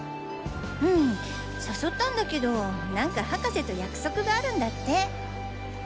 うんさそったんだけど何か博士と約束があるんだって。